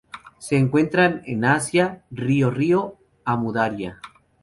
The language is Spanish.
Se encuentran en Asia: río Río Amu Daria.